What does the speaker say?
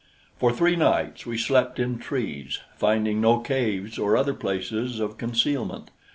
For three nights we slept in trees, finding no caves or other places of concealment.